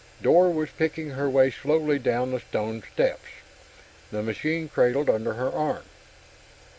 Dor was picking her way slowly down the stone steps, the machine cradled under her arm.